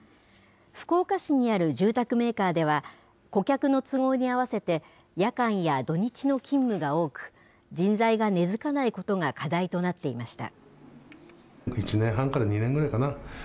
福岡市にある住宅メーカーでは、顧客の都合に合わせて、夜間や土日の勤務が多く、人材が根づかないことが課題となっていました。